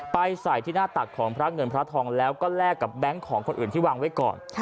ใส่ที่หน้าตักของพระเงินพระทองแล้วก็แลกกับแบงค์ของคนอื่นที่วางไว้ก่อน